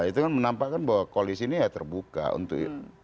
itu kan menampakkan bahwa koalisi ini ya terbuka untuk